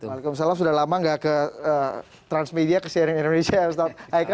ustaz haikal sudah lama nggak ke transmedia ke syarim indonesia